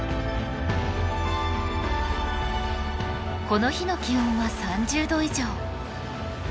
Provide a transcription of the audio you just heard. この日の気温は３０度以上。